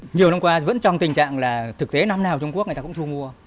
nhiều năm qua vẫn trong tình trạng là thực tế năm nào trung quốc người ta cũng thu mua